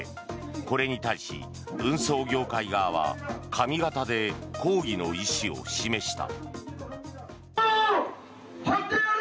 これに対し、運送業界側は髪形で抗議の意思を示した。